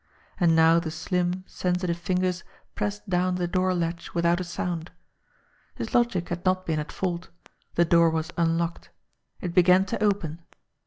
And now the slim, sensitive ringers pressed down the door latch without a sound. His logic had not been at fault. The door was unlocked. It began to open.